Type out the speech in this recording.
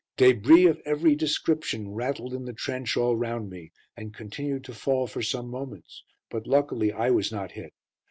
Débris of every description rattled in the trench all round me, and continued to fall for some moments, but luckily I was not hit.